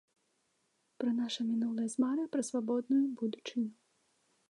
Пра наша мінулае з марай пра свабодную будучыню.